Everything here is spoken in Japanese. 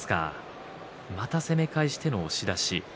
また攻め返しての押し出し。